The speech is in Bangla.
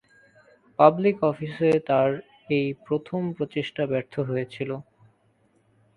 পাবলিক অফিসে তাঁর এই প্রথম প্রচেষ্টা ব্যর্থ হয়েছিল।